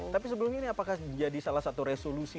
jadi ini apakah menjadi salah satu resolusi